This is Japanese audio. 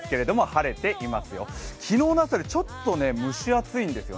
晴れていますよ、昨日の朝よりちょっと蒸し暑いんですよ。